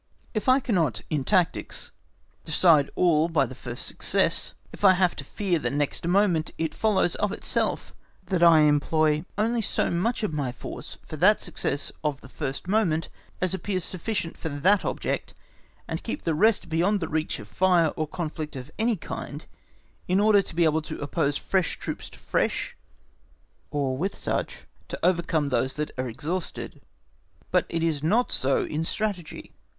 If I cannot, in tactics, decide all by the first success, if I have to fear the next moment, it follows of itself that I employ only so much of my force for the success of the first moment as appears sufficient for that object, and keep the rest beyond the reach of fire or conflict of any kind, in order to be able to oppose fresh troops to fresh, or with such to overcome those that are exhausted. But it is not so in Strategy.